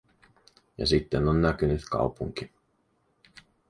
Ja sitten on näkynyt kaupunki.